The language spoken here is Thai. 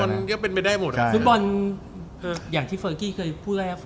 ฟุตบอลอย่างที่เฟอร์กี้เคยพูดแล้ว